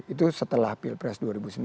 itu setelah pilpres dua ribu sembilan belas